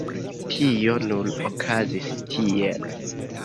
Tio nur okazis tiel.